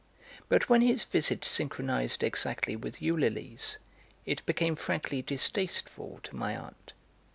But when his visit synchronized exactly with Eulalie's it became frankly distasteful to my aunt.